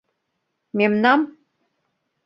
Мемнам